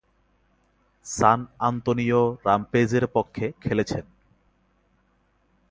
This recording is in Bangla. সান আন্তোনিও রামপেজের পক্ষে খেলেছেন।